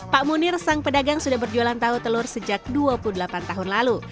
pak munir sang pedagang sudah berjualan tahu telur sejak dua puluh delapan tahun lalu